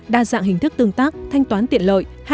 đa dạng hình thức tương tác thanh toán tiện lợi